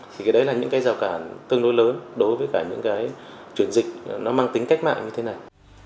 thì cái đấy là những giao cản tương đối lớn đối với những chuyển dịch mang tính cách mạng như thế này